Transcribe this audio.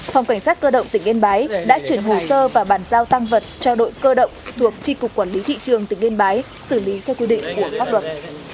phòng cảnh sát cơ động tỉnh yên bái đã chuyển hồ sơ và bàn giao tăng vật cho đội cơ động thuộc tri cục quản lý thị trường tỉnh yên bái xử lý theo quy định của pháp luật